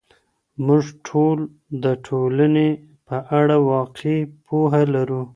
موږ ټول د ټولنې په اړه واقعي پوهه لرو.